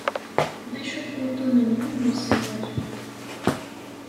D acu-t wuḍḍun-nwen n usawal?